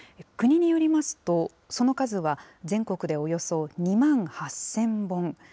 国によりますと、その数は全国でおよそ２万８０００本。